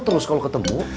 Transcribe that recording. terus kalo ketemu